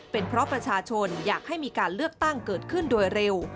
เป็นเพราะประชาชนอยากให้มีการเลือกตั้งเกิดขึ้นโดยเร็ว